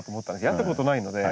やったことないので。